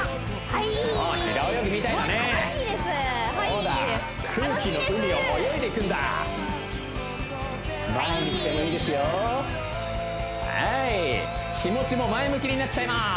はいはい気持ちも前向きになっちゃいます